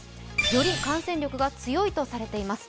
より感染力が強いとされています